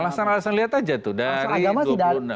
alasan alasan lihat aja tuh dari dua puluh enam tahun